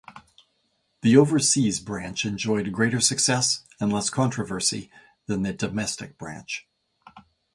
The Overseas Branch enjoyed greater success and less controversy than the Domestic Branch.